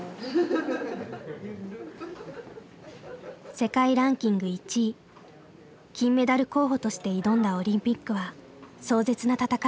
世界ランキング１位金メダル候補として挑んだオリンピックは壮絶な戦いでした。